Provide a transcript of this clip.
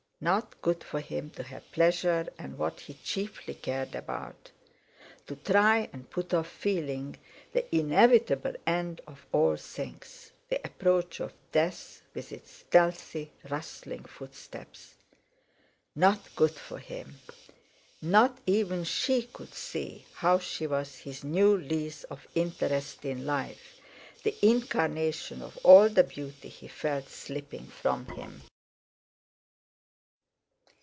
Not good for him to have pleasure and what he chiefly cared about; to try and put off feeling the inevitable end of all things, the approach of death with its stealthy, rustling footsteps. Not good for him! Not even she could see how she was his new lease of interest in life, the incarnation of all the beauty he felt slipping from him.